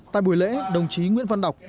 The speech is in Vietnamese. tại buổi lễ đồng chí nguyễn văn đọc